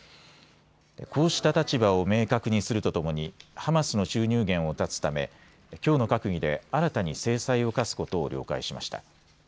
こうした立場を明確にするとともにハマスの収入源を絶つためきょうの閣議で新たに制裁を科すことを了解しました。